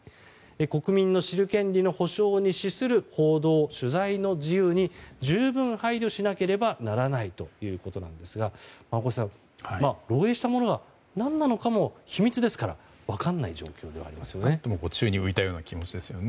国民の知る権利の保障に資する報道・取材の自由に十分配慮しなければならないということなんですが大越さん、漏洩したものが何なのかも秘密ですから分からない状況ですよね。